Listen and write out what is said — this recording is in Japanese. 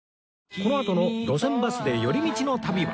このあとの『路線バスで寄り道の旅』は